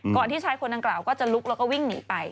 ที่ชายคนดังกล่าวก็จะลุกแล้วก็วิ่งหนีไป